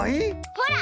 ほら！